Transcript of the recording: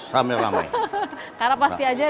selalu ramai karena pasti aja